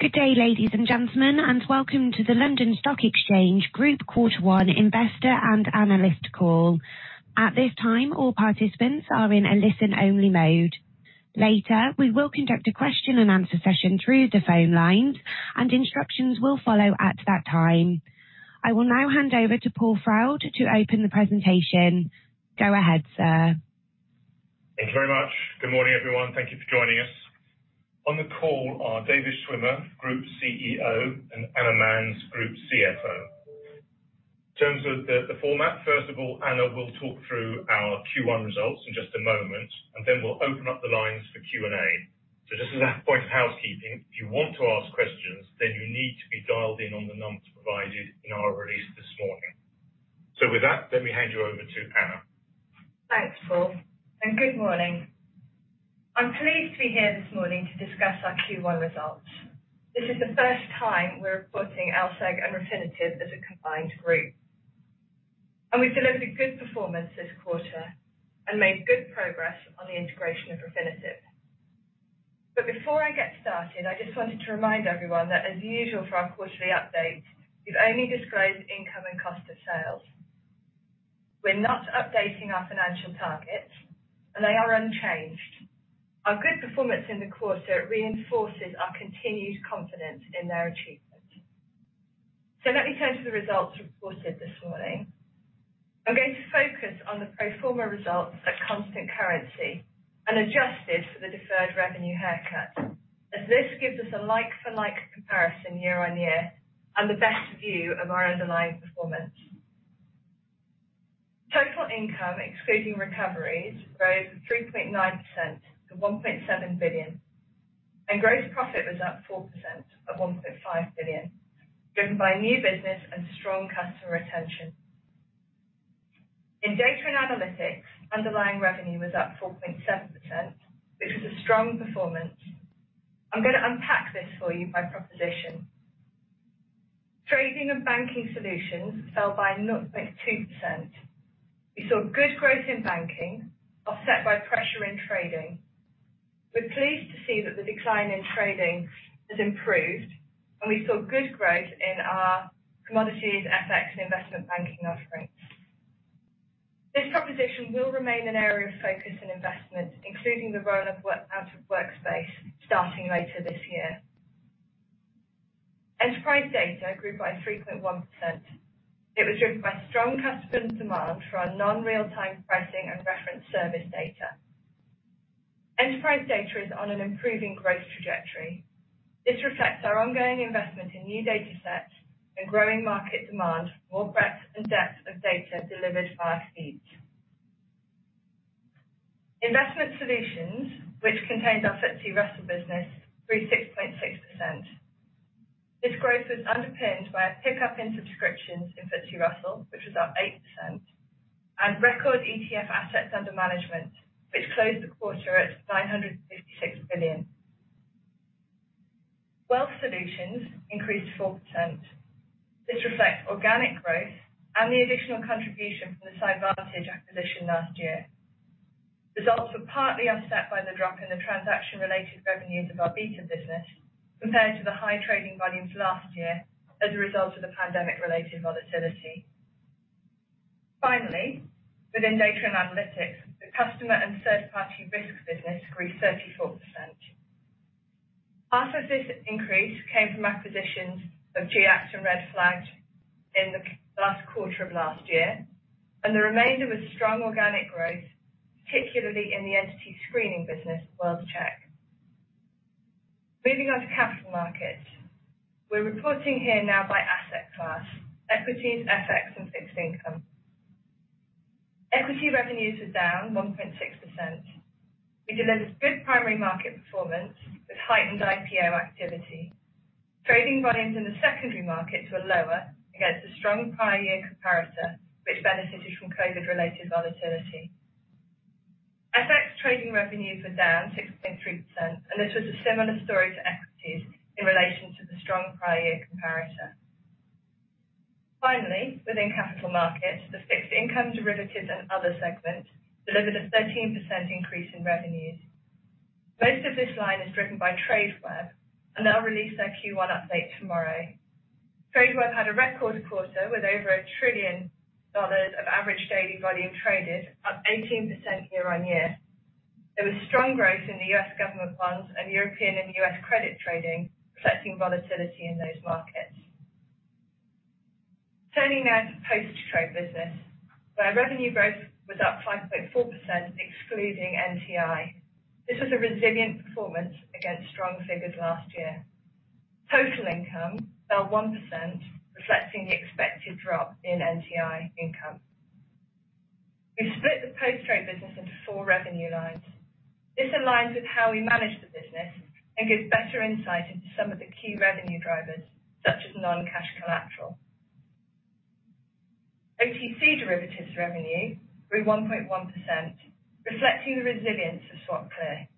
Good day, ladies and gentlemen, and welcome to the London Stock Exchange Group Q1 investor and analyst call. At this time, all participants are in a listen-only mode. Later, we will conduct a question and answer session through the phone lines, and instructions will follow at that time. I will now hand over to Paul Froud to open the presentation. Go ahead, sir. Thank you very much. Good morning, everyone. Thank you for joining us. On the call are David Schwimmer, Group CEO, and Anna Manz, Group CFO. In terms of the format, first of all, Anna will talk through our Q1 results in just a moment, and then we'll open up the lines for Q&A. Just as a point of housekeeping, if you want to ask questions, then you need to be dialed in on the number provided in our release this morning. With that, let me hand you over to Anna. Thanks, Paul, and good morning. I'm pleased to be here this morning to discuss our Q1 results. This is the first time we're reporting LSEG and Refinitiv as a combined group. We delivered good performance this quarter and made good progress on the integration of Refinitiv. Before I get started, I just wanted to remind everyone that as usual for our quarterly updates, we've only disclosed income and cost of sales. We're not updating our financial targets, and they are unchanged. Our good performance in the quarter reinforces our continued confidence in their achievement. Let me turn to the results reported this morning. I'm going to focus on the pro forma results at constant currency and adjusted for the deferred revenue haircut, as this gives us a like-for-like comparison year-on-year and the best view of our underlying performance. Total income, excluding recoveries, rose 3.9% to 1.7 billion, and gross profit was up four percent at 1.5 billion, driven by new business and strong customer retention. In data and analytics, underlying revenue was up 4.7%, which was a strong performance. I'm going to unpack this for you by proposition. Trading and banking solutions fell by 0.2%. We saw good growth in banking offset by pressure in trading. We're pleased to see that the decline in trading has improved, and we saw good growth in our commodities, FX, and investment banking offerings. This proposition will remain an area of focus and investment, including the roll-out of Workspace starting later this year. Enterprise data grew by 3.1%. It was driven by strong customer demand for our non-real-time pricing and reference service data. Enterprise data is on an improving growth trajectory. This reflects our ongoing investment in new datasets and growing market demand for more breadth and depth of data delivered via feeds. Investment Solutions, which contains our FTSE Russell business, grew 6.6%. This growth was underpinned by a pickup in subscriptions in FTSE Russell, which was up eight percent, and record ETF assets under management, which closed the quarter at 956 billion. Wealth Solutions increased four percent. This reflects organic growth and the additional contribution from the Scivantage acquisition last year. Results were partly offset by the drop in the transaction-related revenues of our beta business compared to the high trading volumes last year as a result of the pandemic-related volatility. Finally, within data and analytics, the Customer and Third-Party Risk business grew 34%. Half of this increase came from acquisitions of GIACT and The Red Flag Group in the last quarter of last year, and the remainder was strong organic growth, particularly in the entity screening business, World-Check. Moving on to capital markets. We're reporting here now by asset class: equities, FX, and fixed income. Equity revenues were down 1.6%. We delivered good primary market performance with heightened IPO activity. Trading volumes in the secondary markets were lower against a strong prior year comparator, which benefited from COVID-related volatility. FX trading revenues were down 6.3%, and this was a similar story to equities in relation to the strong prior year comparator. Finally, within capital markets, the fixed income derivatives and other segments delivered a 13% increase in revenues. Most of this line is driven by Tradeweb, and they'll release their Q1 update tomorrow. Tradeweb had a record quarter with over $1 trillion of average daily volume traded, up 18% year-on-year. There was strong growth in the U.S. government bonds and European and U.S. credit trading, reflecting volatility in those markets. Turning now to post-trade business, where revenue growth was up 5.4%, excluding NTI. This was a resilient performance against strong figures last year. Total income fell one percent, reflecting the expected drop in NTI income. We've split the post-trade business into four revenue lines. This aligns with how we manage the business and gives better insight into some of the key revenue drivers, such as non-cash collateral. OTC derivatives revenue grew 1.1%, reflecting the resilience of SwapClear.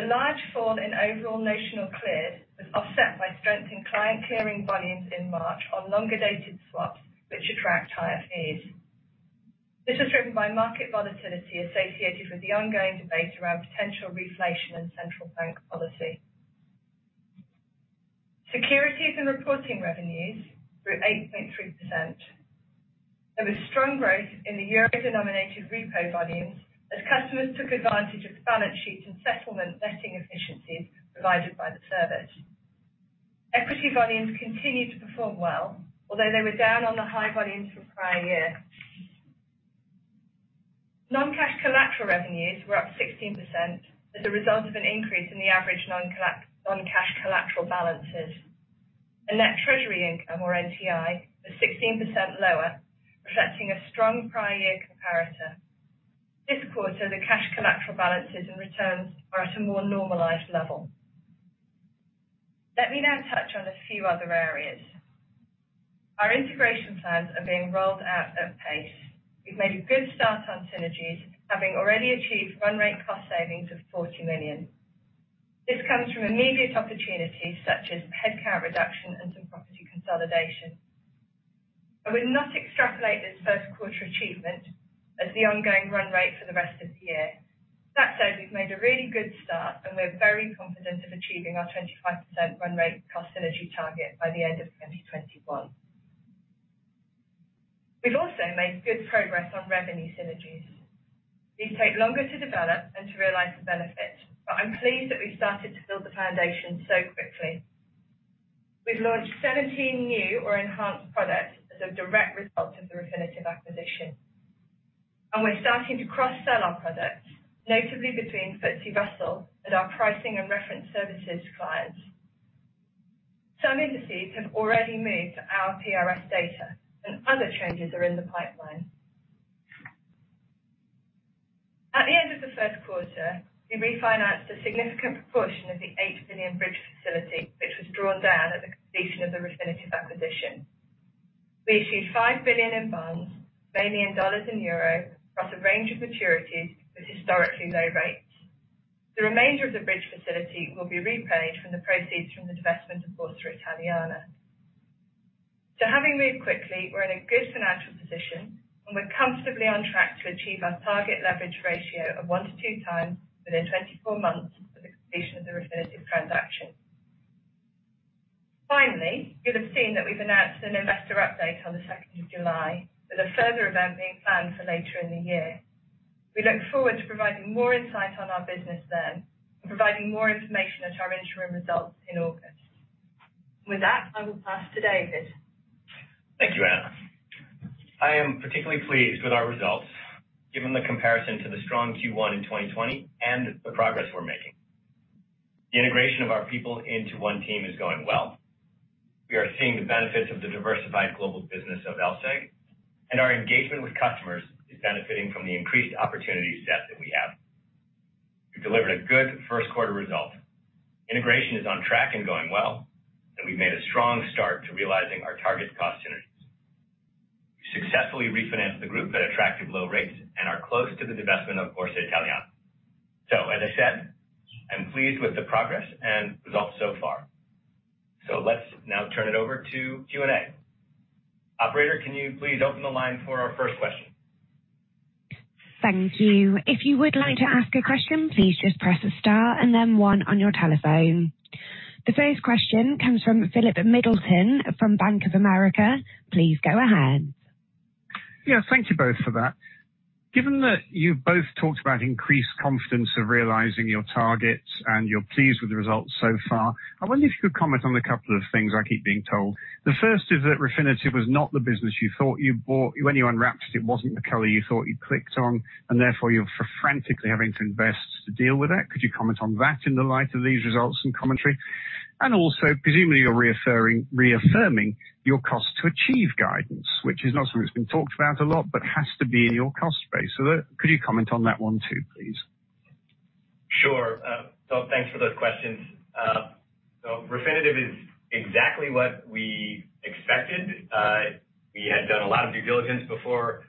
The large fall in overall notional cleared was offset by strength in client clearing volumes in March on longer-dated swaps, which attract higher fees. This was driven by market volatility associated with the ongoing debate around potential reflation and central bank policy. Securities and reporting revenues grew 8.3%. There was strong growth in the euro-denominated repo volumes as customers took advantage of balance sheet and settlement netting efficiencies provided by the service. Equity volumes continued to perform well, although they were down on the high volumes from prior year. Non-cash collateral revenues were up 16% as a result of an increase in the average non-cash collateral balances. Net Treasury Income, or NTI, was 16% lower, reflecting a strong prior year comparator. This quarter, the cash collateral balances and returns are at a more normalized level. Let me now touch on a few other areas. Our integration plans are being rolled out at pace. We've made a good start on synergies, having already achieved run rate cost savings of $40 million. This comes from immediate opportunities such as headcount reduction and some property consolidation. I would not extrapolate this Q1 achievement as the ongoing run rate for the rest of the year. That said, we've made a really good start, and we're very confident of achieving our 25% run rate cost synergy target by the end of 2021. We've also made good progress on revenue synergies. These take longer to develop and to realize the benefit, but I'm pleased that we've started to build the foundation so quickly. We've launched 17 new or enhanced products as a direct result of the Refinitiv acquisition, and we're starting to cross-sell our products, notably between FTSE Russell and our pricing and reference services clients. Some indices have already moved to our PRS data, and other changes are in the pipeline. At the end of the Q1, we refinanced a significant proportion of the 8 billion bridge facility, which was drawn down at the completion of the Refinitiv acquisition. We issued 5 billion in bonds, EUR 2 billion in euro, across a range of maturities with historically low rates. The remainder of the bridge facility will be repaid from the proceeds from the divestment of Borsa Italiana. Having moved quickly, we're in a good financial position, and we're comfortably on track to achieve our target leverage ratio of one to 2x within 24 months of the completion of the Refinitiv transaction. Finally, you'll have seen that we've announced an investor update on the July 2, with a further event being planned for later in the year. We look forward to providing more insight on our business then and providing more information at our interim results in August. With that, I will pass to David. Thank you, Anna. I am particularly pleased with our results, given the comparison to the strong Q1 in 2020 and the progress we're making. The integration of our people into one team is going well. We are seeing the benefits of the diversified global business of LSEG, and our engagement with customers is benefiting from the increased opportunity set that we have. We've delivered a good Q1 result. Integration is on track and going well, and we've made a strong start to realizing our target cost synergies. We successfully refinanced the group at attractive low rates and are close to the divestment of Borsa Italiana. As I said, I'm pleased with the progress and results so far. Let's now turn it over to Q&A. Operator, can you please open the line for our first question? Thank you. If you would like to ask a question, please just press a star and then one on your telephone. The first question comes from Philip Middleton from Bank of America. Please go ahead. Thank you both for that. Given that you've both talked about increased confidence of realizing your targets and you're pleased with the results so far, I wonder if you could comment on a couple of things I keep being told. The first is that Refinitiv was not the business you thought you bought. When you unwrapped it wasn't the color you thought you'd clicked on, and therefore you're frantically having to invest to deal with that. Could you comment on that in the light of these results and commentary? Also, presumably you're reaffirming your cost to achieve guidance, which is not something that's been talked about a lot, but has to be in your cost space. Could you comment on that one too, please? Sure. Thanks for those questions. Refinitiv is exactly what we expected. We had done a lot of due diligence before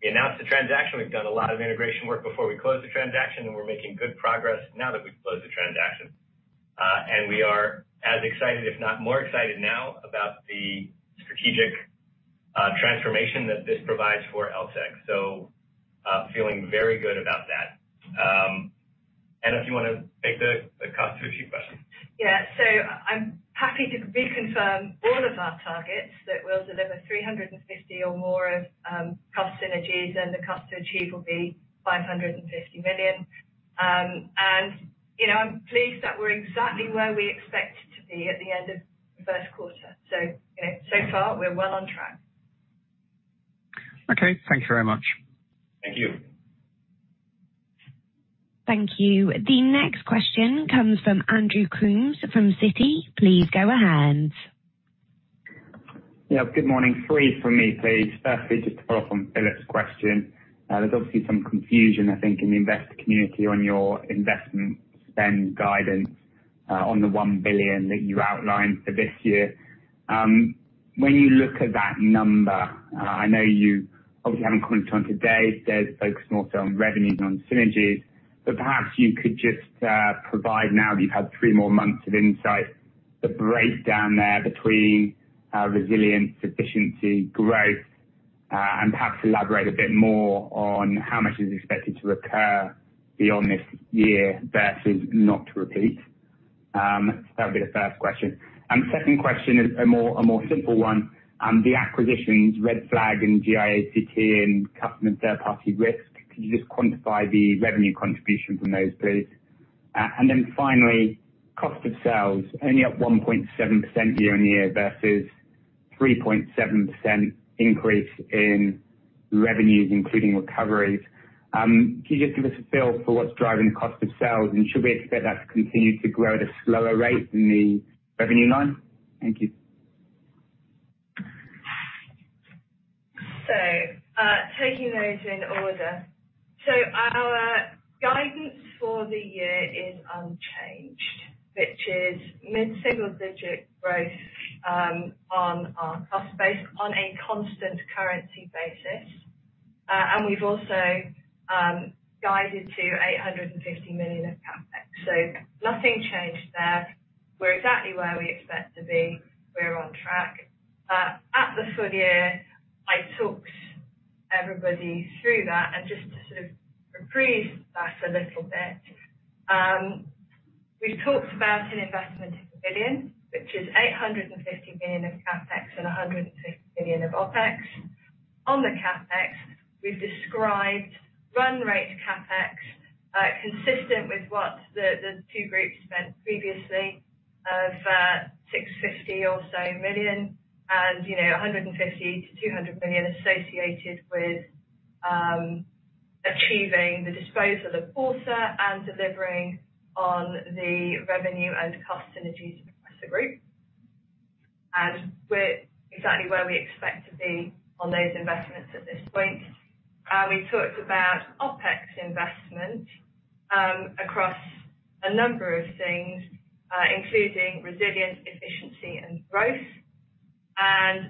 we announced the transaction. We've done a lot of integration work before we closed the transaction, and we're making good progress now that we've closed the transaction. We are as excited, if not more excited now, about the strategic transformation that this provides for LSEG. Feeling very good about that. Anna, if you want to take the cost to achieve question. Yeah. I’m happy to reconfirm all of our targets, that we’ll deliver 350 million or more of cost synergies and the cost to achieve will be 550 million. I’m pleased that we’re exactly where we expected to be at the end of the Q1. So far, we’re well on track. Okay. Thank you very much. Thank you. Thank you. The next question comes from Andrew Coombs from Citi. Please go ahead. Yeah. Good morning. Three from me, please. Firstly, just to follow up on Philip's question. There's obviously some confusion, I think, in the investor community on your investment spend guidance on the 1 billion that you outlined for this year. When you look at that number, I know you obviously haven't commented on today's. Today is focused more so on revenues than on synergies. Perhaps you could just provide, now that you've had three more months of insight, the breakdown there between resilience, efficiency, growth, and perhaps elaborate a bit more on how much is expected to recur beyond this year versus not to repeat. That'll be the first question. The second question is a more simple one. The acquisitions, Red Flag and GIACT and customer third-party risk. Could you just quantify the revenue contribution from those, please? Finally, cost of sales. Only up 1.7% year-on-year versus 3.7% increase in revenues, including recoveries. Could you just give us a feel for what's driving cost of sales, and should we expect that to continue to grow at a slower rate than the revenue line? Thank you. Taking those in order. Our guidance for the year is unchanged, which is mid-single digit growth on our cost base on a constant currency basis. We've also guided to 850 million of CapEx. Nothing changed there. We're exactly where we expect to be. We're on track. At the full year, I talked everybody through that and just to sort of reprise that a little bit. We talked about an investment of 1 billion, which is 850 million of CapEx and 150 million of OpEx. On the CapEx, we've described run rate CapEx, consistent with what the two groups spent previously of 650 million or so and 150 million-200 million associated with achieving the disposal of Borsa Italiana and delivering on the revenue and cost synergies across the group. We're exactly where we expect to be on those investments at this point. We talked about OpEx investment across a number of things, including resilience, efficiency, and growth.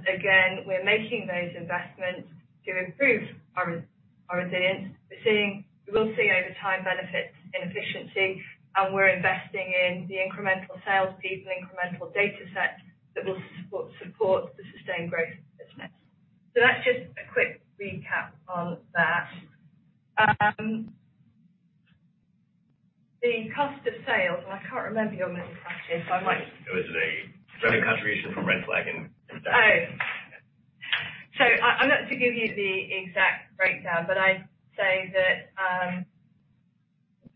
Again, we're making those investments to improve our resilience. We will see over time benefits in efficiency. We're investing in the incremental sales people, incremental data sets that will support the sustained growth of the business. That's just a quick recap on that. The cost of sales, I can't remember your main question. It was a revenue contribution from Red Flag and GIACT. I'm not to give you the exact breakdown, but I'd say that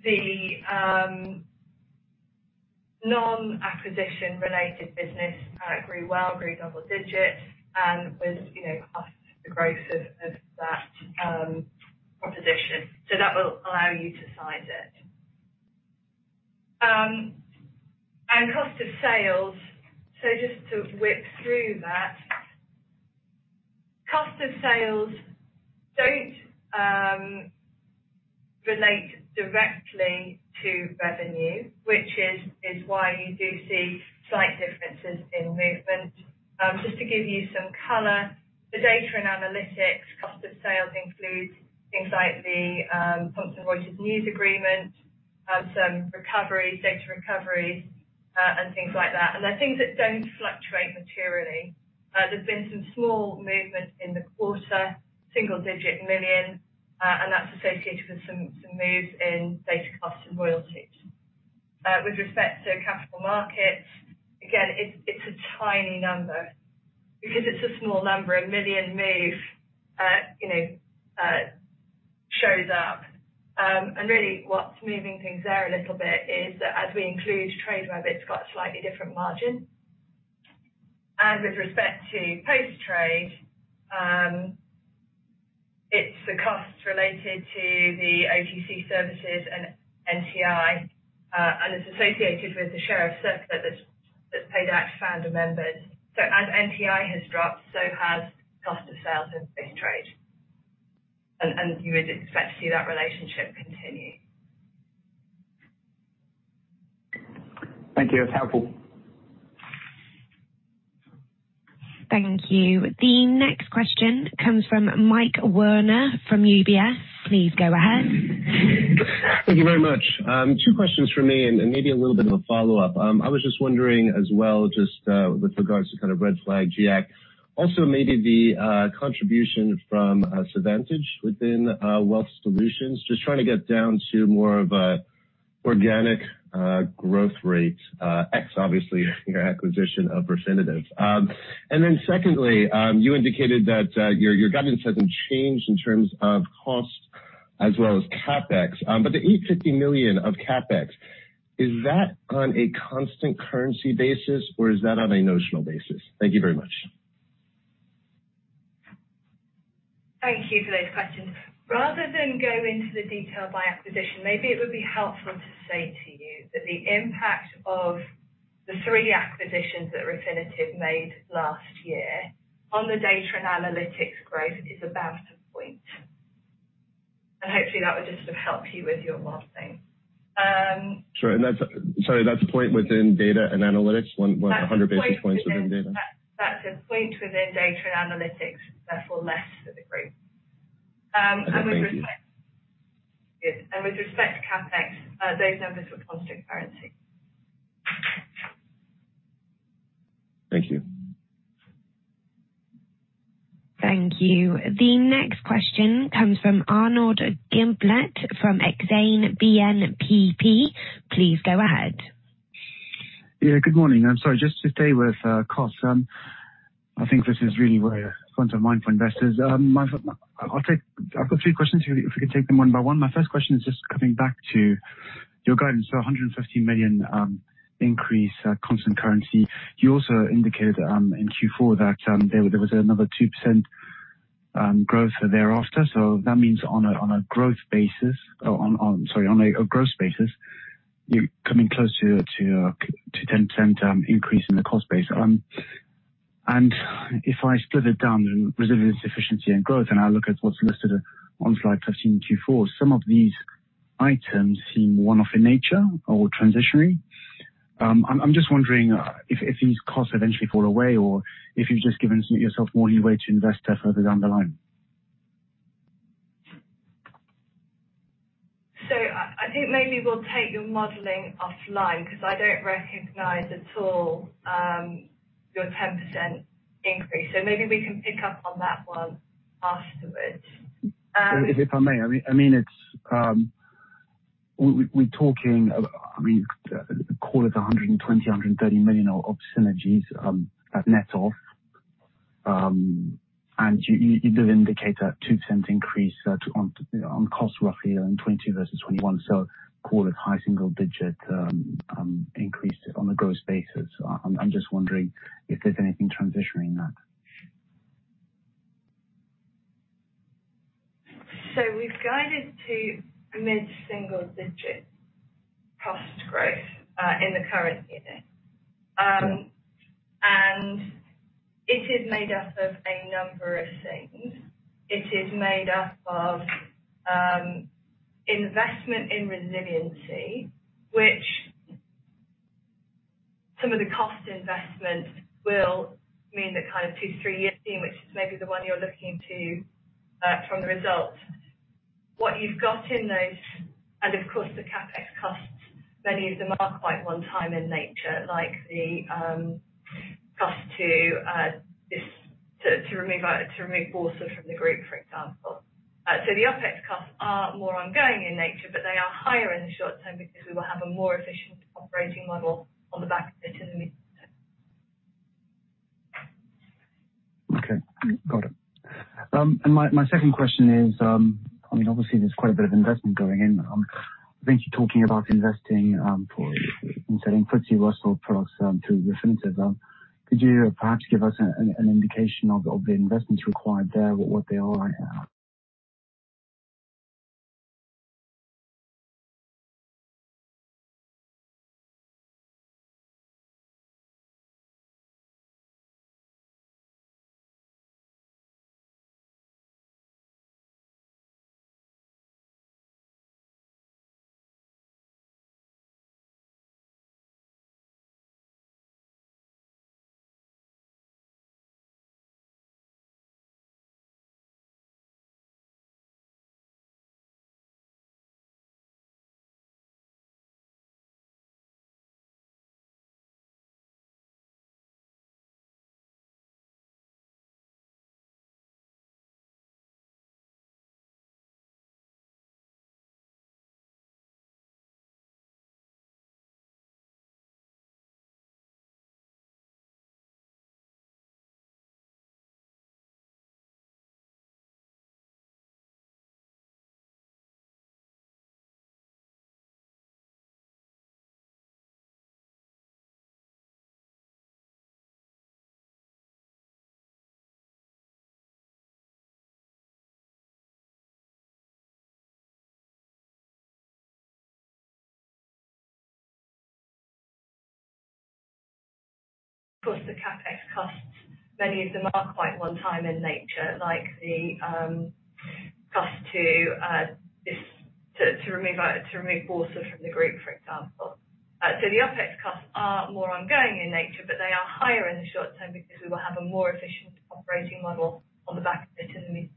the non-acquisition related business grew well, grew double digits and with costs, the growth of that proposition. That will allow you to size it. Cost of sales, so just to whip through that. Cost of sales don't relate directly to revenue, which is why you do see slight differences in movement. Just to give you some color, the data and analytics cost of sales includes things like the Thomson Reuters News agreement, some recoveries, data recoveries, and things like that. They're things that don't fluctuate materially. There's been some small movement in the quarter, single digit million, that's associated with some moves in data costs and royalties. With respect to capital markets, again, it's a tiny number. Because it's a small number, a million move shows up. Really what's moving things there a little bit is that as we include Tradeweb, it's got a slightly different margin. With respect to Post Trade, it's the costs related to the OTC services and NTI, and it's associated with the share of surplus that's paid out to founder members. As NTI has dropped, so has cost of sales in Post Trade. You would expect to see that relationship continue. Thank you. That's helpful. Thank you. The next question comes from Michael Werner from UBS. Please go ahead. Thank you very much. Two questions from me and maybe a little bit of a follow-up. I was just wondering as well, just with regards to kind of Red Flag, GIACT, also maybe the contribution from Scivantage within Wealth Solutions, just trying to get down to more of a organic growth rate, X, obviously your acquisition of Refinitiv. Secondly, you indicated that your guidance hasn't changed in terms of cost as well as CapEx. The 850 million of CapEx, is that on a constant currency basis, or is that on a notional basis? Thank you very much. Thank you for those questions. Rather than go into the detail by acquisition, maybe it would be helpful to say to you that the impact of the three acquisitions that Refinitiv made last year on the data and analytics growth is about a point. Hopefully that would just sort of help you with your last thing. Sure. sorry, that's a point within data and analytics? 100 basis points within data? That's a point within data and analytics, therefore less for the group. Okay. Thank you. With respect to CapEx, those numbers were constant currency. Thank you. Thank you. The next question comes from Arnaud Giblat from Exane BNP Paribas. Please go ahead. Yeah. Good morning. I'm sorry, just to stay with costs. I think this is really where front of mind for investors. I've got three questions. If we could take them one by one. My first question is just coming back to your guidance. 150 million increase constant currency. You also indicated, in Q4, that there was another two percent growth thereafter. That means on a growth basis, you're coming close to 10% increase in the cost base. If I split it down, resilience, efficiency, and growth, and I look at what's listed on slide 15 Q4, some of these items seem one-off in nature or transitory. I'm just wondering if these costs eventually fall away or if you've just given yourself more leeway to invest further down the line. I think maybe we'll take your modeling offline because I don't recognize at all your 10% increase. Maybe we can pick up on that one afterwards. If I may. We're talking, call it 120 million, 130 million of synergies at net off. You did indicate a two percent increase on cost roughly in 2020 versus 2021, so call it high single-digit increase on a growth basis. I'm just wondering if there's anything transitionary in that. We've guided to mid-single-digit cost growth in the current year. It is made up of a number of things. It is made up of investment in resiliency, which some of the cost investment will mean that kind of two, three-year theme, which is maybe the one you're looking to from the results. What you've got in those, and of course, the CapEx costs, many of them are quite one-time in nature, like the cost to remove Borsa from the group, for example. The OpEx costs are more ongoing in nature, but they are higher in the short term because we will have a more efficient operating model on the back of it in the medium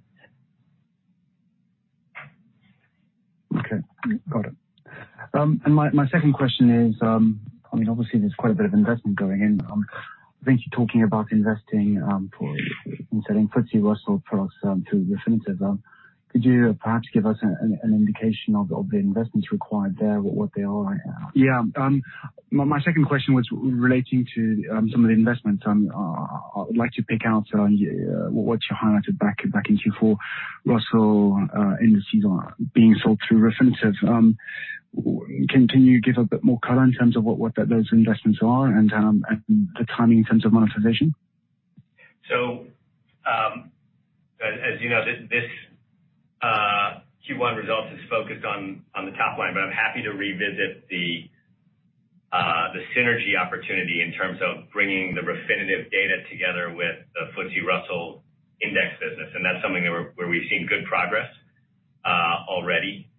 term. Okay. Got it. My second question is, obviously, there's quite a bit of investment going in. it in the medium term. Okay. Got it. My second question is, obviously, there's quite a bit of investment going in. I think you're talking about investing for inserting FTSE Russell products through Refinitiv. Could you perhaps give us an indication of the investments required there, what they are right now? Yeah. My second question was relating to some of the investments. I would like to pick out what you highlighted back in Q4, Russell Indices being sold through Refinitiv. Can you give a bit more color in terms of what those investments are and the timing in terms of monetization? As you know, this Q1 result is focused on the top line, but I'm happy to revisit the synergy opportunity in terms of bringing the Refinitiv data together with the FTSE Russell index business, and that's something where we've seen good progress already.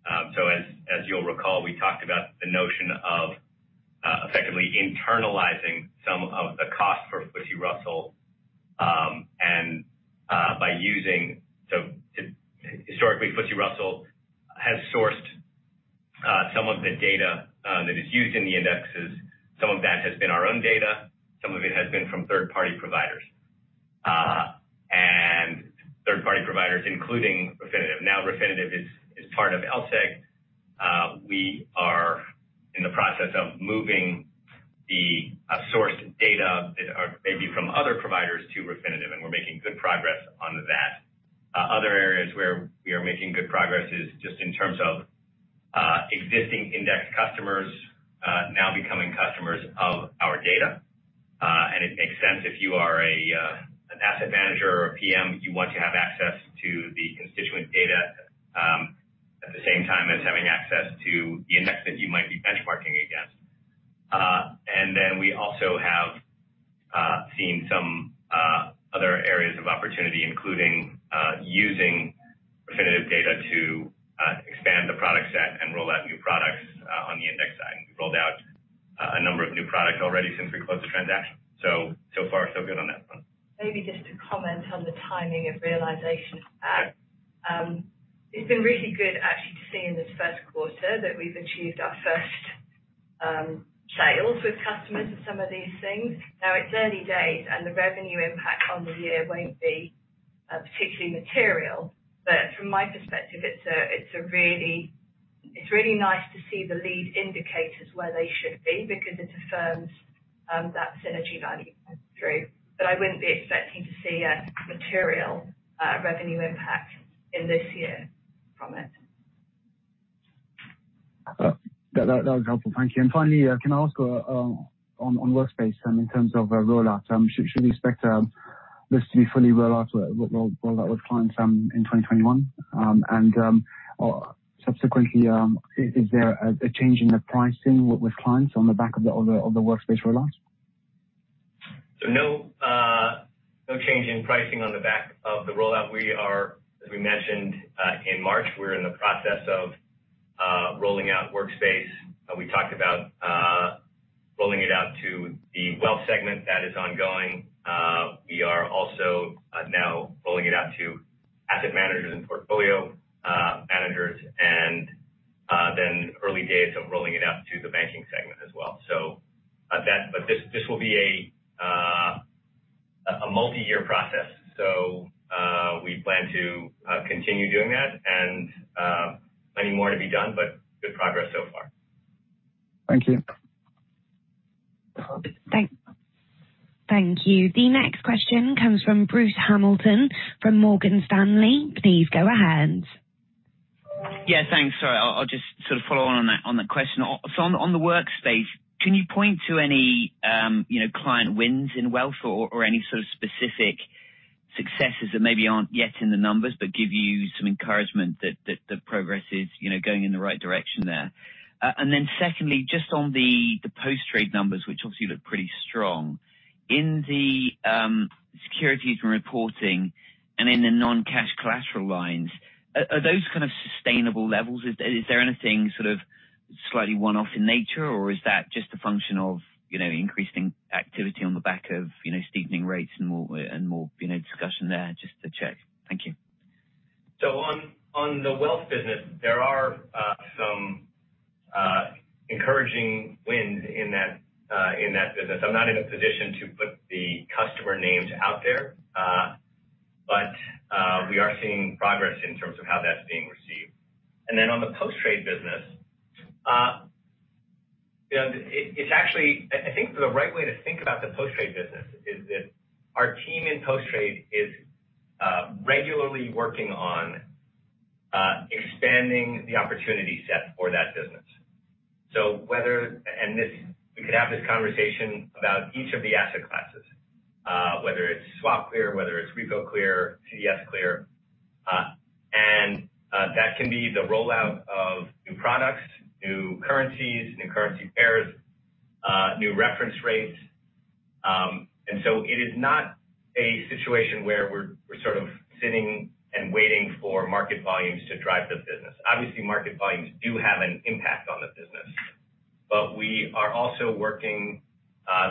As you'll recall, we talked about the notion of effectively internalizing some of the cost for FTSE Russell. Historically, FTSE Russell has sourced some of the data that is used in the indexes. Some of that has been our own data. Some of it has been from third-party providers, and third-party providers, including Refinitiv. Refinitiv is part of LSEG. We are in the process of moving the sourced data that are maybe from other providers to Refinitiv, and we're making good progress on that. Other areas where we are making good progress is just in terms of existing index customers now becoming customers of our data. It makes sense if you are an asset manager or a PM, you want to have access to the constituent data at the same time as having access to the index that you might be benchmarking against. Then we also have seen some other areas of opportunity, including using Refinitiv data to expand the product set and roll out new products on the index side. We've rolled out a number of new products already since we closed the transaction. So far, so good on that front. Maybe just to comment on the timing of realization of that. Okay. It's been really good actually to see in this Q1 that we've achieved our first sales with customers of some of these things. Now it's early days, and the revenue impact on the year won't be particularly material. From my perspective, it's really nice to see the lead indicators where they should be because it affirms that synergy value coming through. I wouldn't be expecting to see a material revenue impact in this year from it. That was helpful. Thank you. Finally, can I ask on Workspace, in terms of rollout, should we expect this to be fully rolled out with clients in 2021? Subsequently, is there a change in the pricing with clients on the back of the Workspace rollout? No change in pricing on the back of the rollout. As we mentioned, in March, we're in the process of rolling out Workspace. We talked about rolling it out to the wealth segment. That is ongoing. We are also now rolling it out to asset managers and portfolio managers, and then early days of rolling it out to the banking segment as well. This will be a multi-year process. We plan to continue doing that, and plenty more to be done, but good progress so far. Thank you. No problem. Thank you. The next question comes from Bruce Hamilton from Morgan Stanley. Please go ahead. Thanks. Sorry. I'll just follow on that question. On the Workspace, can you point to any client wins in wealth or any sort of specific successes that maybe aren't yet in the numbers but give you some encouragement that the progress is going in the right direction there? Secondly, just on the post-trade numbers, which obviously look pretty strong. In the securities reporting and in the non-cash collateral lines, are those kind of sustainable levels? Is there anything sort of slightly one-off in nature, or is that just a function of increasing activity on the back of steepening rates and more discussion there? Just to check. Thank you. On the wealth business, there are some encouraging wins in that business. I'm not in a position to put the customer names out there. We are seeing progress in terms of how that's being received. On the post-trade business, I think the right way to think about the post-trade business is that our team in post-trade is regularly working on expanding the opportunity set for that business. We could have this conversation about each of the asset classes, whether it's SwapClear, whether it's RepoClear, CDSClear. That can be the rollout of new products, new currencies, new currency pairs, new reference rates. It is not a situation where we're sort of sitting and waiting for market volumes to drive the business. Market volumes do have an impact on the business. We are also working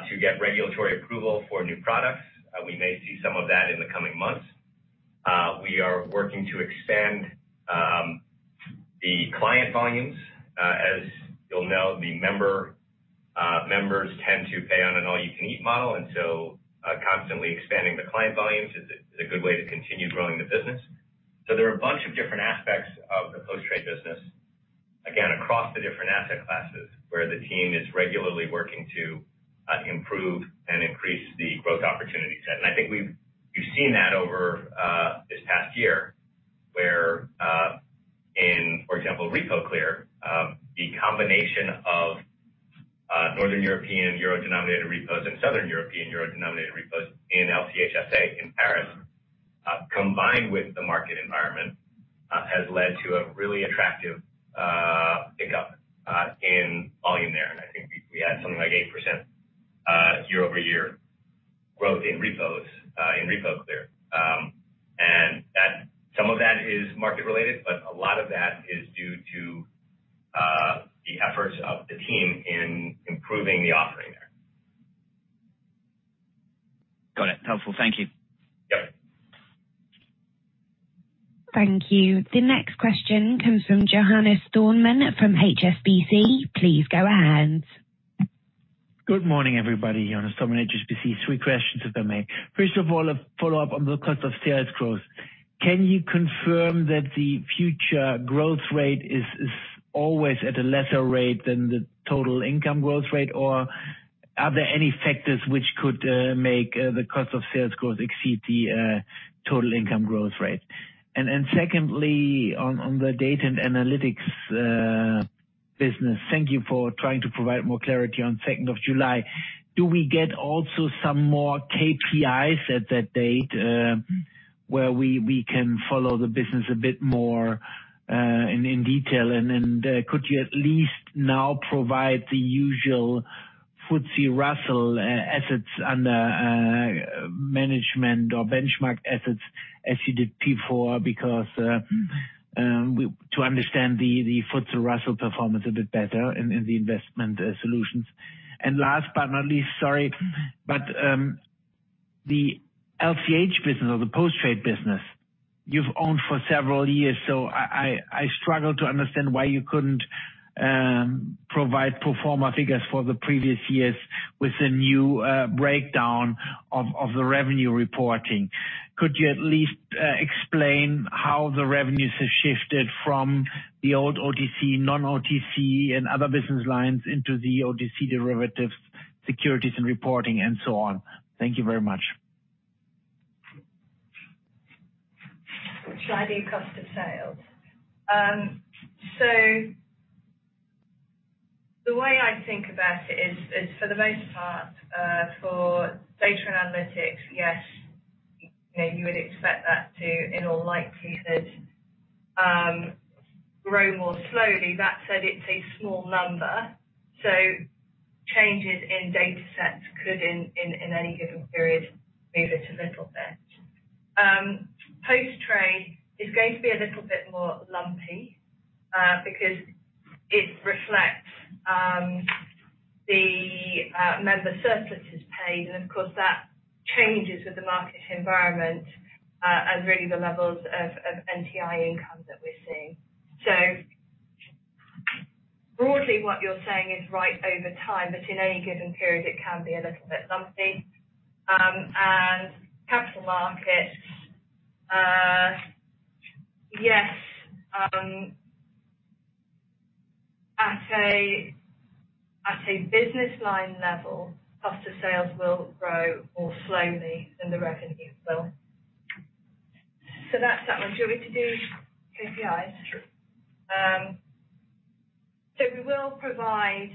to get regulatory approval for new products. We may see some of that in the coming months. We are working to expand the client volumes. As you'll know, the members tend to pay on an all-you-can-eat model, constantly expanding the client volumes is a good way to continue growing the business. There are a bunch of different aspects of the post-trade business, again, across the different asset classes, where the team is regularly working to improve and increase the growth opportunity set. I think we've seen that over this past year where in, for example, RepoClear, the combination of northern European euro-denominated repos and southern European euro-denominated repos in LCH SA in Paris, combined with the market environment, has led to a really attractive pickup in volume there. I think we had something like eight percent year-over-year growth in RepoClear. Related, a lot of that is due to the efforts of the team in improving the offering there. Got it. Helpful. Thank you. Yep. Thank you. The next question comes from Johannes Thormann from HSBC. Please go ahead. Good morning, everybody. Johannes Thormann, HSBC. Three questions, if I may. First of all, a follow-up on the cost of sales growth. Can you confirm that the future growth rate is always at a lesser rate than the total income growth rate? Or are there any factors which could make the cost of sales growth exceed the total income growth rate? Secondly, on the data and analytics business. Thank you for trying to provide more clarity on July 2nd. Do we get also some more KPIs at that date, where we can follow the business a bit more in detail? Could you at least now provide the usual FTSE Russell assets under management or benchmark assets as you did before, because to understand the FTSE Russell performance a bit better in the investment solutions. Last but not least, sorry, but the LCH business or the post-trade business, you've owned for several years, so I struggle to understand why you couldn't provide pro forma figures for the previous years with the new breakdown of the revenue reporting. Could you at least explain how the revenues have shifted from the old OTC, non-OTC, and other business lines into the OTC derivatives, securities and reporting, and so on. Thank you very much. Shall I do cost of sales? The way I think about it is, for the most part, for data and analytics, yes, you would expect that to, in all likelihood, grow more slowly. That said, it's a small number, changes in data sets could, in any given period, move it a little bit. Post trade is going to be a little bit more lumpy, because it reflects the member surpluses paid. Of course, that changes with the market environment, and really the levels of NTI income that we're seeing. Broadly, what you're saying is right over time, but in any given period, it can be a little bit lumpy. Capital markets, yes, at a business line level, cost of sales will grow more slowly than the revenues will. That's that one. Do you want me to do KPIs? Sure. We will provide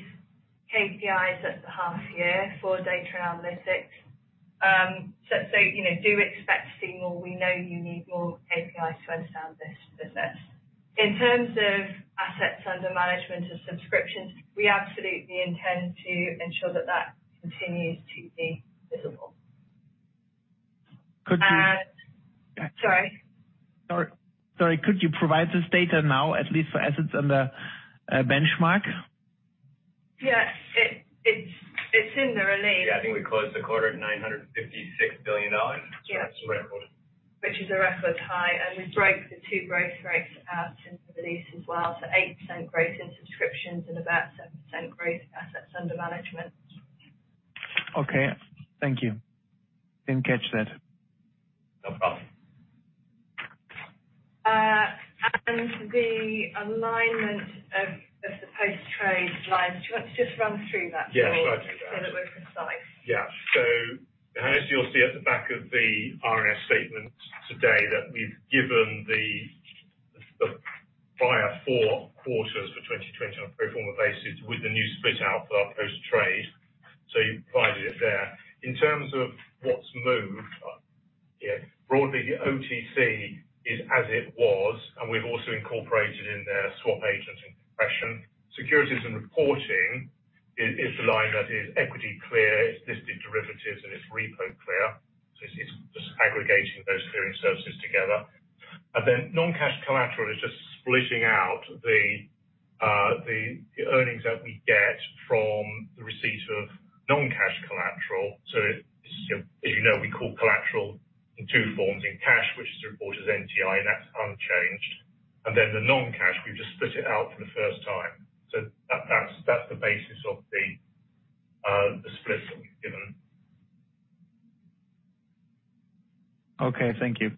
KPIs at the half year for data analytics. Do expect to see more. We know you need more KPIs to understand this business. In terms of assets under management of subscriptions, we absolutely intend to ensure that that continues to be visible. Could you- Sorry. Sorry. Could you provide this data now, at least for assets under benchmark? Yeah. It's in the release. I think we closed the quarter at GBP 956 billion. Yeah. That's a record. Which is a record high. We broke the two growth rates out in the release as well. 80% growth in subscriptions and about seven percent growth in assets under management. Okay. Thank you. Didn't catch that. No problem. The alignment of the post-trade lines. Do you want to just run through that, Paul? Yes. I can do that. That we're concise. Johannes, you'll see at the back of the RS statement today that we've given the prior Q4 for 2020 on a pro forma basis with the new split out for our post trade. You'll find it there. In terms of what's moved, broadly, OTC is as it was, and we've also incorporated in there SwapAgent and compression. Securities and reporting is the line that is EquityClear, it's listed derivatives, and it's RepoClear. It's just aggregating those clearing services together. Non-cash collateral is just splitting out the earnings that we get from the receipt of non-cash collateral. As you know, we call collateral in two forms, in cash, which is reported as NTI, and that's unchanged. The non-cash, we've just split it out for the first time. That's the basis of the splits that we've given. Okay. Thank you.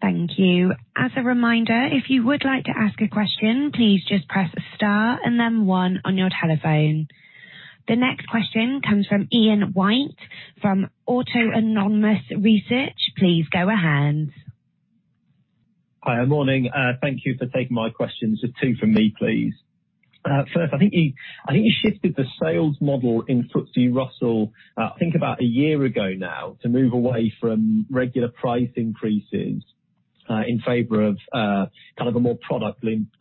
Thank you. As a reminder, if you would like to ask a question, please just press star and then one on your telephone. The next question comes from Ian White from Autonomous Research. Please go ahead. Hi. Morning. Thank you for taking my questions. There's two from me, please. I think you shifted the sales model in FTSE Russell, I think about a year ago now, to move away from regular price increases. In favor of a more product-linked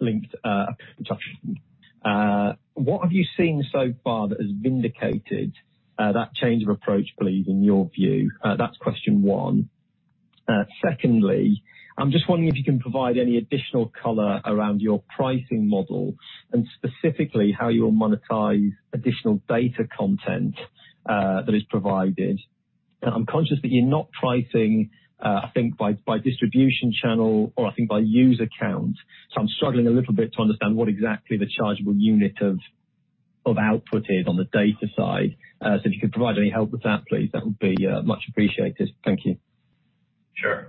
consumption. What have you seen so far that has vindicated that change of approach, please, in your view? That's question one. I'm just wondering if you can provide any additional color around your pricing model, and specifically how you'll monetize additional data content that is provided. I'm conscious that you're not pricing, I think, by distribution channel or I think by user count, I'm struggling a little bit to understand what exactly the chargeable unit of output is on the data side. If you could provide any help with that, please, that would be much appreciated. Thank you. Sure.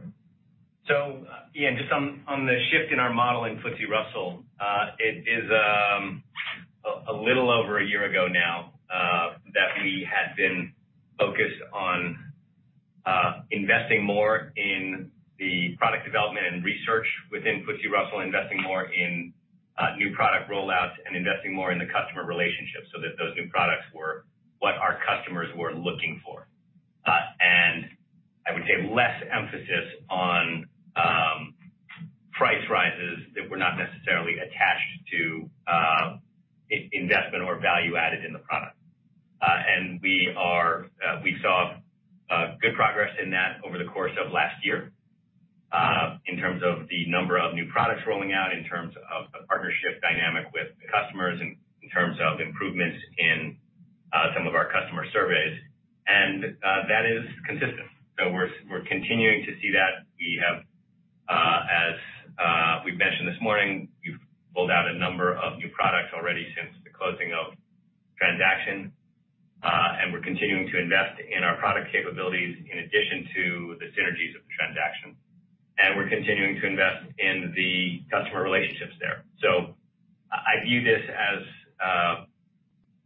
Yeah, just on the shift in our model in FTSE Russell, it is a little over a year ago now that we had been focused on investing more in the product development and research within FTSE Russell, investing more in new product rollouts, and investing more in the customer relationships so that those new products were what our customers were looking for. I would say less emphasis on price rises that were not necessarily attached to investment or value added in the product. We saw good progress in that over the course of last year, in terms of the number of new products rolling out, in terms of the partnership dynamic with customers, in terms of improvements in some of our customer surveys. That is consistent. We're continuing to see that. As we've mentioned this morning, we've rolled out a number of new products already since the closing of transaction. We're continuing to invest in our product capabilities in addition to the synergies of the transaction. We're continuing to invest in the customer relationships there. I view this as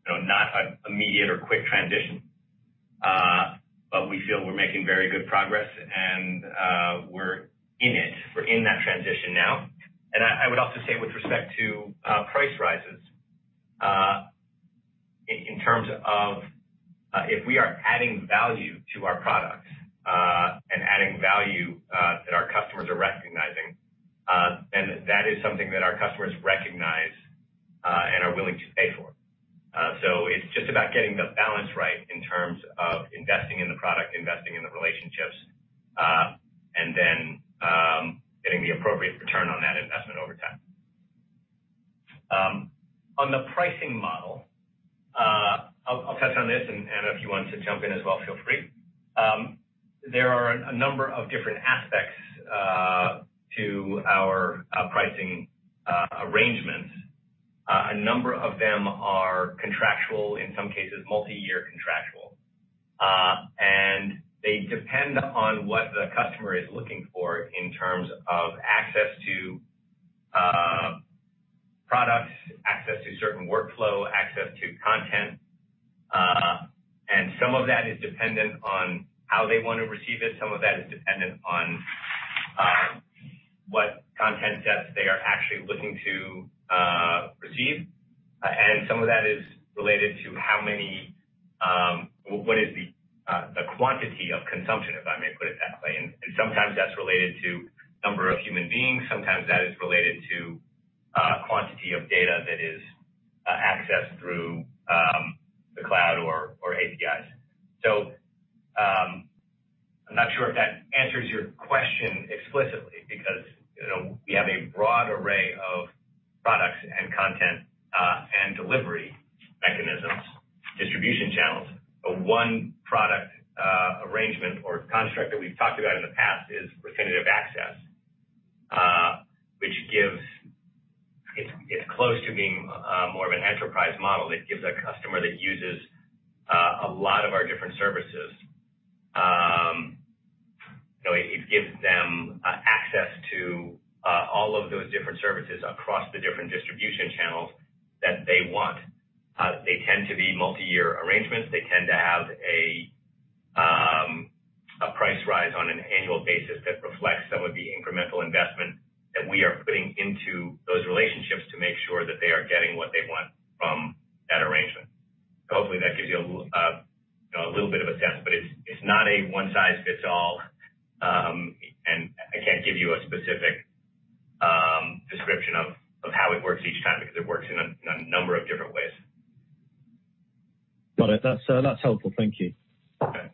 not an immediate or quick transition. We feel we're making very good progress, and we're in it. We're in that transition now. I would also say with respect to price rises, in terms of if we are adding value to our products, and adding value that our customers are recognizing, then that is something that our customers recognize and are willing to pay for. It's just about getting the balance right in terms of investing in the product, investing in the relationships, and then getting the appropriate return on that investment over time. On the pricing model, I'll touch on this, and Anna if you want to jump in as well, feel free. There are a number of different aspects to our pricing arrangements. A number of them are contractual, in some cases multi-year contractual. They depend upon what the customer is looking for in terms of access to products, access to certain workflow, access to content. Some of that is dependent on how they want to receive it. Some of that is dependent on what content sets they are actually looking to receive. Some of that is related to what is the quantity of consumption, if I may put it that way. Sometimes that's related to number of human beings, sometimes that is related to quantity of data that is accessed through the cloud or APIs. I'm not sure if that answers your question explicitly because we have a broad array of products and content, and delivery mechanisms, distribution channels. A one product arrangement or construct that we've talked about in the past is Refinitiv Access, which is close to being more of an enterprise model that gives a customer that uses a lot of our different services. It gives them access to all of those different services across the different distribution channels that they want. They tend to be multi-year arrangements. They tend to have a price rise on an annual basis that reflects some of the incremental investment that we are putting into those relationships to make sure that they are getting what they want from that arrangement. Hopefully that gives you a little bit of a sense, but it's not a one-size-fits-all, and I can't give you a specific description of how it works each time because it works in a number of different ways. Got it. That's helpful. Thank you. Okay.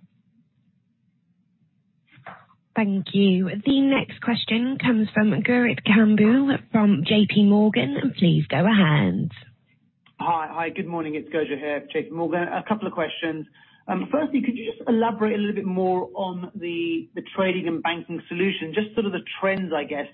Thank you. The next question comes from Gurjit Kambo from JP Morgan. Please go ahead. Hi. Good morning. It's Gurjit here at JP Morgan. A couple of questions. Firstly, could you just elaborate a little bit more on the trading and banking solution, just sort of the trends, I guess,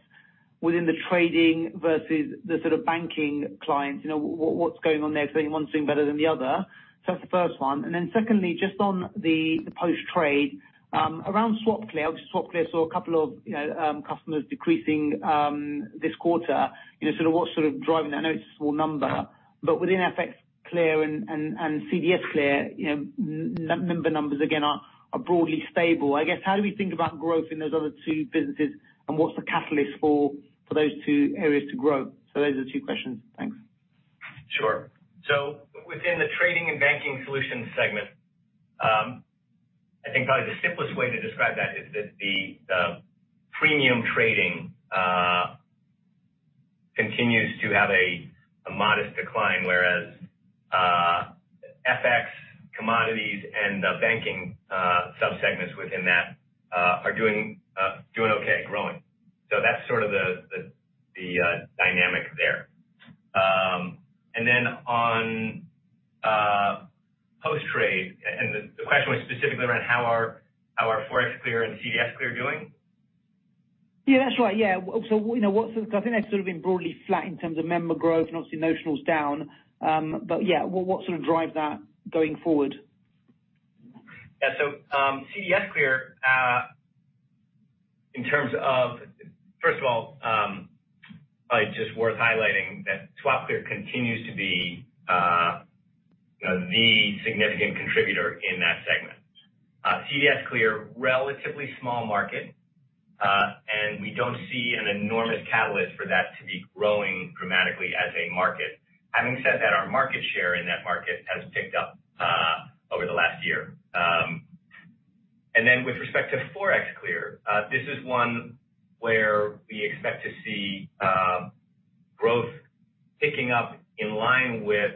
within the trading versus the sort of banking clients. What's going on there? Is one doing better than the other? That's the first one. Secondly just on the post-trade, around SwapClear. Obviously, SwapClear saw a couple of customers decreasing this quarter. What's sort of driving that? I know it's a small number, but within ForexClear and CDSClear, member numbers again are broadly stable. I guess, how do we think about growth in those other two businesses, and what's the catalyst for those two areas to grow? Those are the two questions. Thanks. Sure. Within the trading and banking solutions segment, I think probably the simplest way to describe that is that the premium trading continues to have a modest decline, whereas FX commodities and the banking sub-segments within that are doing okay, growing. That's sort of the dynamic there. Then on post-trade, and the question was specifically around how are ForexClear and CDSClear doing? That's right. I think they've sort of been broadly flat in terms of member growth, and obviously notional's down. What will sort of drive that going forward? CDSClear, first of all, probably just worth highlighting that SwapClear continues to be the significant contributor in that segment. CDSClear, relatively small market, we don't see an enormous catalyst for that to be growing dramatically as a market. Having said that, our market share in that market has ticked up over the last year. With respect to ForexClear, this is one where we expect to see growth ticking up in line with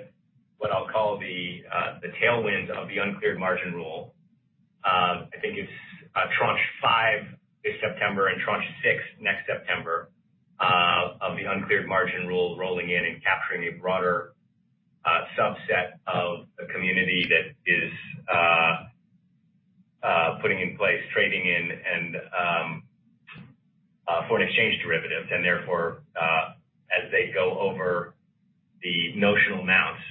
what I'll call the tailwinds of the uncleared margin rules. I think it's Phase V this September and Phase VI next September, of the uncleared margin rules rolling in and capturing a broader subset of the community that is putting in place trading in and for an exchange derivative. Therefore, as they go over the notional amounts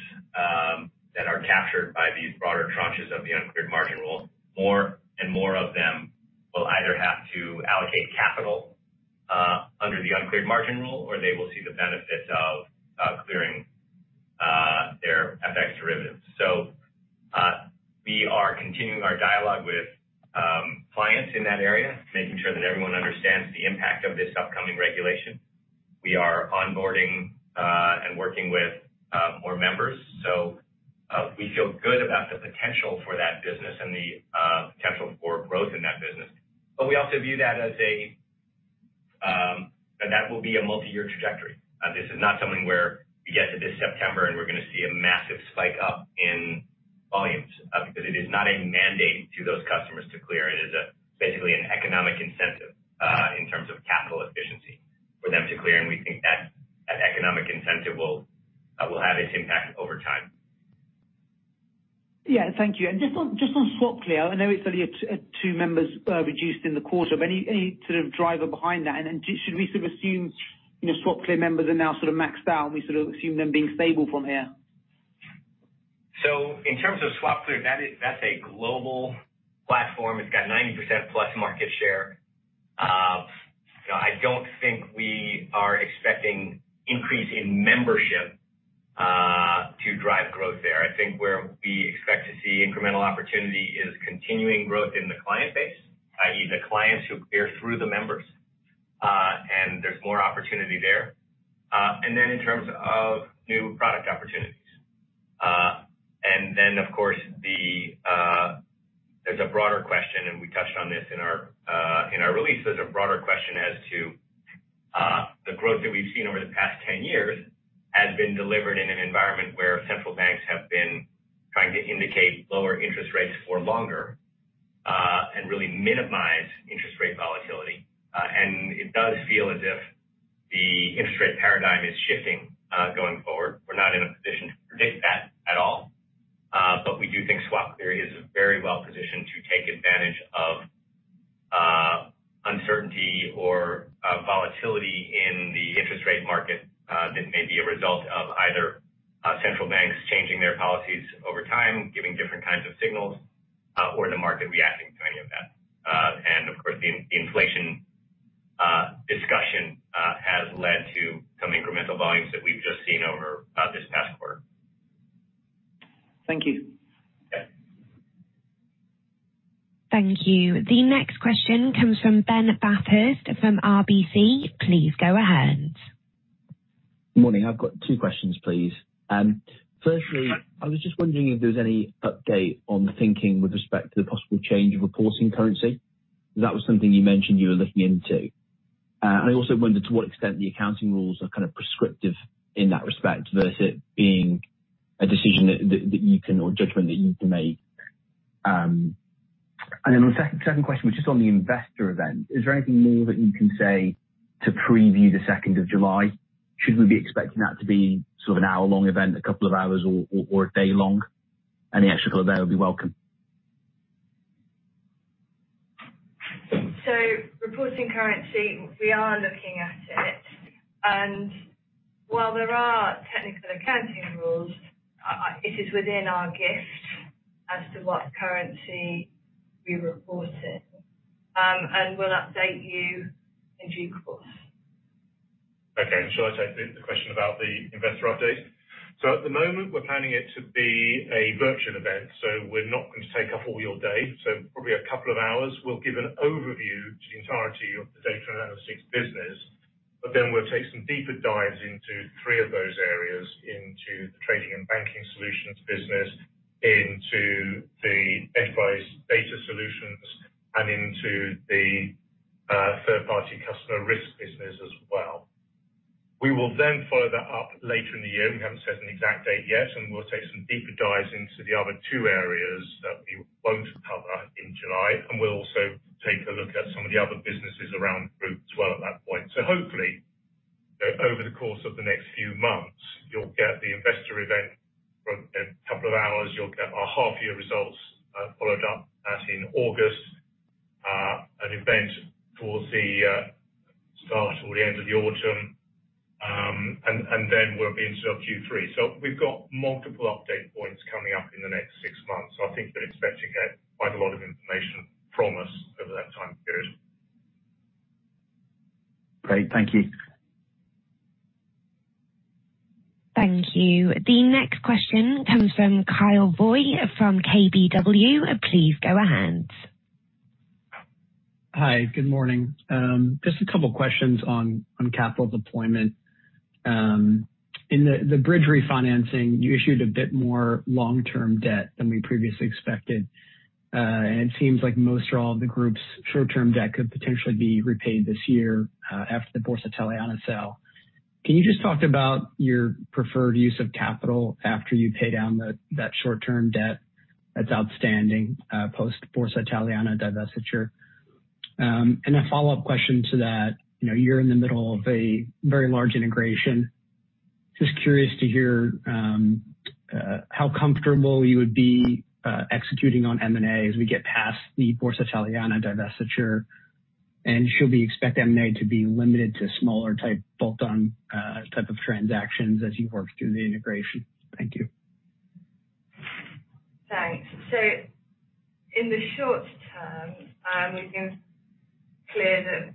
that are captured by these broader tranches of the uncleared margin rules, more and more of them will either have to allocate capital under the uncleared margin rules, or they will see the benefits of clearing their FX derivatives. We are continuing our dialogue with clients in that area, making sure that everyone understands the impact of this upcoming regulation. We are onboarding, and working with more members. We feel good about the potential for that business and the potential for growth in that business. We also view that that will be a multi-year trajectory. This is not something where we get to this September, and we're going to see a massive spike up in volumes, because it is not a mandate to those customers to clear. It is basically an economic incentive, in terms of capital efficiency for them to clear, and we think that economic incentive will have its impact over time. Yeah. Thank you. Just on SwapClear, I know it is only two members reduced in the quarter. Any sort of driver behind that, and should we sort of assume SwapClear members are now sort of maxed out, and we sort of assume them being stable from here? In terms of SwapClear, that's a global platform. It's got 90% plus market share. I don't think we are expecting increase in membership to drive growth there. I think where we expect to see incremental opportunity is continuing growth in the client base, i.e., the clients who clear through the members, and there's more opportunity there. In terms of new product opportunities. Of course, there's a broader question, and we touched on this in our release. There's a broader question as to the growth that we've seen over the past 10 years has been delivered in an environment where central banks have been trying to indicate lower interest rates for longer, and really minimize interest rate volatility. It does feel as if the interest rate paradigm is shifting going forward. We're not in a position to predict that at all. We do think SwapClear is very well-positioned to take advantage of uncertainty or volatility in the interest rate market, that may be a result of either central banks changing their policies over time, giving different kinds of signals, or the market reacting to any of that. Of course, the inflation discussion has led to some incremental volumes that we've just seen over this past quarter. Thank you. Okay. Thank you. The next question comes from Ben Bathurst from RBC. Please go ahead. Morning. I've got two questions, please. Firstly, I was just wondering if there was any update on the thinking with respect to the possible change of reporting currency. That was something you mentioned you were looking into. I also wondered to what extent the accounting rules are kind of prescriptive in that respect, versus it being a decision that you can, or judgment that you can make. On the second question, which is on the investor event. Is there anything more that you can say to preview the 2nd of July 2nd? Should we be expecting that to be sort of an hour-long event, a couple of hours, or a day-long? Any extra color there would be welcome. Reporting currency, we are looking at it. While there are technical accounting rules, it is within our gift as to what currency we report in. We'll update you in due course. Okay. Shall I take the question about the investor update? At the moment, we're planning it to be a virtual event, so we're not going to take up all your day. Probably a couple of hours. We'll give an overview to the entirety of the data and analytics business. We'll take some deeper dives into three of those areas, into the trading and banking solutions business, into the enterprise data solutions, and into the third-party customer risk business as well. We will follow that up later in the year. We haven't set an exact date yet, we'll take some deeper dives into the other two areas that we won't cover in July, and we'll also take a look at some of the other businesses around the group as well at that point. Hopefully, over the course of the next few months, you'll get the investor event for a couple of hours. You'll get our half-year results followed up in August, an event towards the start or the end of the autumn, and then we'll be into our Q3. We've got multiple update points coming up in the next six months. I think that expect to get quite a lot of information from us over that time period. Great. Thank you. Thank you. The next question comes from Kyle Voigt from KBW. Please go ahead. Hi. Good morning. Just a couple questions on capital deployment. In the bridge refinancing, you issued a bit more long-term debt than we previously expected. It seems like most or all of the group's short-term debt could potentially be repaid this year, after the Borsa Italiana sale. Can you just talk about your preferred use of capital after you pay down that short-term debt that's outstanding, post Borsa Italiana divestiture? A follow-up question to that, you're in the middle of a very large integration. Just curious to hear how comfortable you would be executing on M&A as we get past the Borsa Italiana divestiture. Should we expect M&A to be limited to smaller type bolt-on type of transactions as you work through the integration? Thank you. Thanks. In the short term, we've been clear that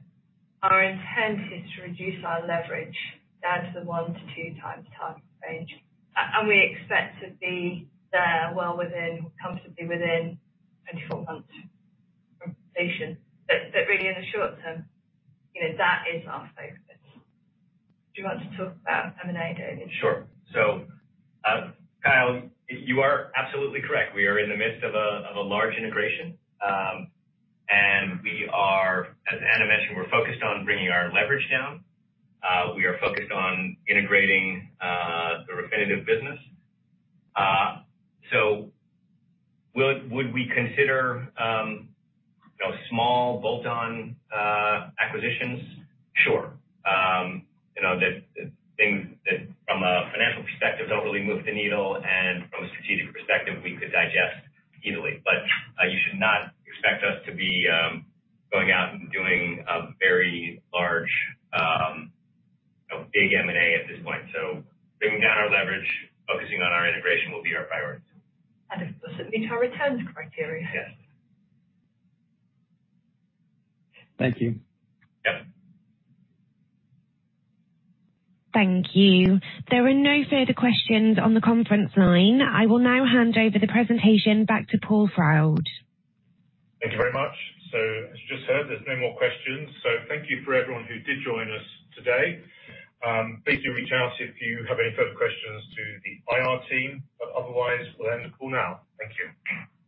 our intent is to reduce our leverage down to the one - two times target range. We expect to be there well within, comfortably within 24 months from completion. Really in the short term, that is our focus. Do you want to talk about M&A, Daniel? Sure. Kyle, you are absolutely correct. We are in the midst of a large integration. We are, as Anna mentioned, we're focused on bringing our leverage down. We are focused on integrating the Refinitiv business. Would we consider small bolt-on acquisitions? Sure. The things that from a financial perspective, don't really move the needle, and from a strategic perspective, we could digest easily. You should not expect us to be going out and doing a very large, big M&A at this point. Bringing down our leverage, focusing on our integration will be our priority. If it doesn't meet our returns criteria. Yes. Thank you. Yep. Thank you. There are no further questions on the conference line. I will now hand over the presentation back to Paul Froud. Thank you very much. As you just heard, there's no more questions. Thank you for everyone who did join us today. Please do reach out if you have any further questions to the IR team. Otherwise, we'll end the call now. Thank you.